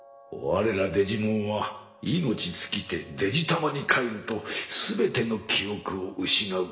われらデジモンは命尽きてデジタマにかえると全ての記憶を失う。